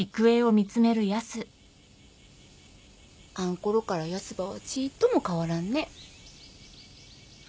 あんころからヤスばはちーっとも変わらんね。